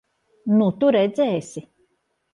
Nu, tu redzēsi!